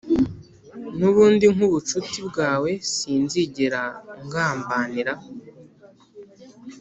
nubundi nkubucuti bwawe sinzigera ngambanira,